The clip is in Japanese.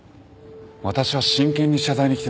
私は真剣に謝罪に来てます。